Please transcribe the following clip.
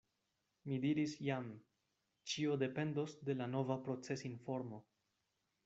Mi diris jam: ĉio dependos de la nova procesinformo.